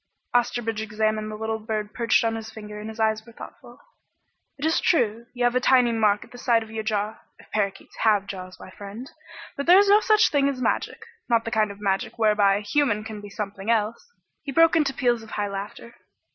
Osterbridge examined the little bird perched on his finger and his eyes were thoughtful. "It is true, you have a tiny mark at the side of your jaw if parakeets have jaws, my friend. But there is no such thing as magic. Not the kind of magic whereby a human can be something else!" He broke into peals of high laughter.